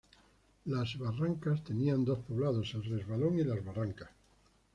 Las Barrancas tenía dos poblados: El Resbalón y Las Barrancas.